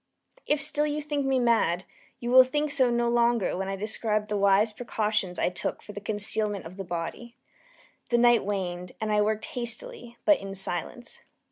If still you think me mad, you will think so no longer when I describe the wise precautions I took for the concealment of the body. The night waned, and I worked hastily, but in silence.